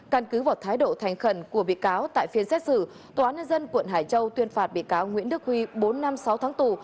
căn cứ vào thái độ thành khẩn của bị cáo tại phiên xét xử tòa án nhân dân quận hải châu tuyên phạt bị cáo nguyễn đức huy bốn năm sáu tháng tù